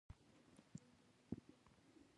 د پري ګلې خبرو ډاکټران غوسه کړل او نور څه يې ونکړل